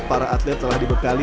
para atlet telah dibekali